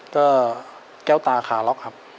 ก็แก้วตาขาล็อกครับ